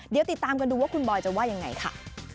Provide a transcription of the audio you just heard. เดี๋ยวติดตามกันดูว่าคุณบอยจะว่ายังไงค่ะ